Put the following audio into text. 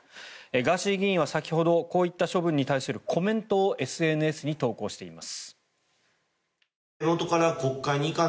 ガーシー議員は先ほどこういった処分に対するコメントをＳＮＳに投稿しています。